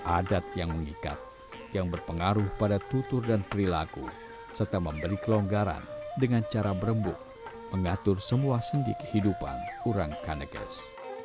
adat yang mengikat yang berpengaruh pada tutur dan perilaku serta memberi kelonggaran dengan cara berembuk mengatur semua sendi kehidupan orang kanegas